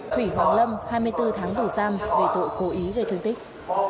thủy hoàng lâm hai mươi bốn tháng tù giam về tội cố ý gây thương tích